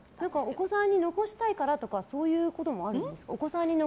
お子さんに残したいからとかそういうこともあるんですか？